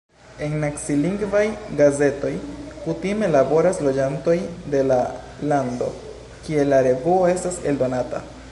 En nacilingvaj gazetoj kutime laboras loĝantoj de la lando, kie la revuo estas eldonata.